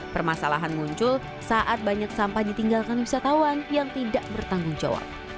permasalahan muncul saat banyak sampah ditinggalkan wisatawan yang tidak bertanggung jawab